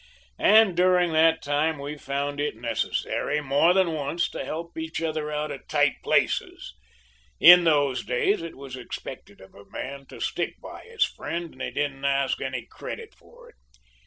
And during that time we've found it necessary more than once to help each other out of tight places. In those days it was expected of a man to stick to his friend, and he didn't ask any credit for it.